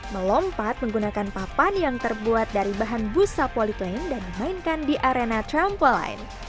melompat menggunakan papan yang terbuat dari bahan busa polyclane dan dimainkan di arena trampoline